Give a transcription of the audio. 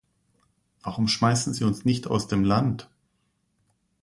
Warum schmeißen sie uns nicht aus dem Land?